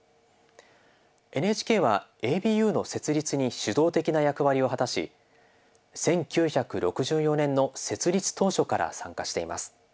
ＮＨＫはＡＢＵの設立に主導的な役割を果たし１９６４年の設立当初から参加しています。